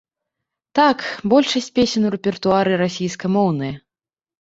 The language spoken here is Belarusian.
Так, большасць песень у рэпертуары расійскамоўныя.